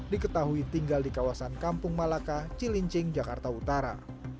diketahui tinggal di kawasan kampung malaka cilincing jakarta utara